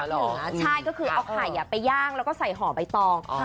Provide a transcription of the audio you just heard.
เหรอใช่ก็คือเอาไข่ไปย่างแล้วก็ใส่ห่อใบตอง